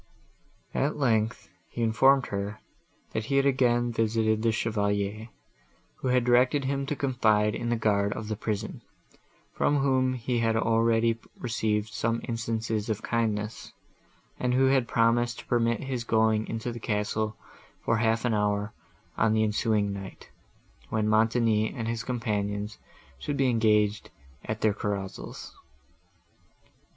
At length, he informed her, that he had again visited the Chevalier, who had directed him to confide in the guard of the prison, from whom he had already received some instances of kindness, and who had promised to permit his going into the castle for half an hour, on the ensuing night, when Montoni and his companions should be engaged at their carousals.